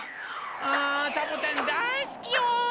あサボテンだいすきよ。